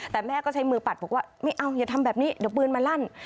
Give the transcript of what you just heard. แต่แม่ก็ใช้มือปัดบอกว่าไม่เอาอย่าทำแบบนี้เดี๋ยวปืนมาลั่น